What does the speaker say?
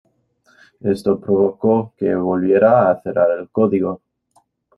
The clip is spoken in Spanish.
Esto provocó que volviera a cerrar el código.